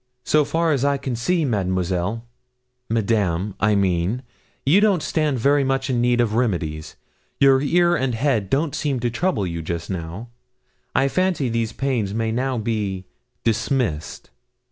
'So far as I can see, Mademoiselle Madame, I mean you don't stand very much in need of remedies. Your ear and head don't seem to trouble you just now. I fancy these pains may now be dismissed.'